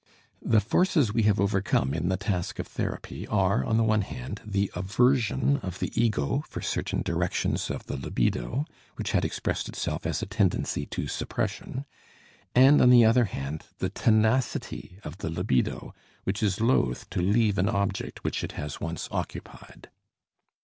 The forces we have overcome in the task of therapy are on the one hand the aversion of the ego for certain directions of the libido, which had expressed itself as a tendency to suppression, and on the other hand the tenacity of the libido, which is loathe to leave an object which it has once occupied.